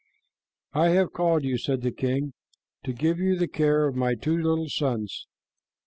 "I have called you," said the king, "to give you the care of my two little sons.